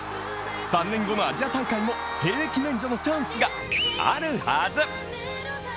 ３年後のアジア大会も兵役免除のチャンスがあるはず。